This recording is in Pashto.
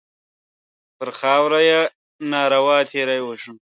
پر خاوره یې ناروا تېری وشو.